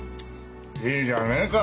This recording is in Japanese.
いいじゃねえか。